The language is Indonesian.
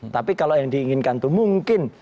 tapi kalau yang diinginkan itu mungkin